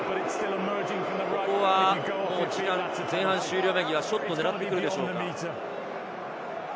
ここは前半終了間際、ショットを狙ってくるでしょうか？